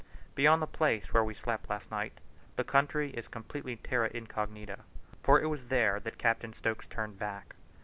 Beyond the place where we slept last night, the country is completely terra incognita, for it was there that Captain Stokes turned back.